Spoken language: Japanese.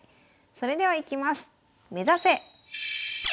それではいきます。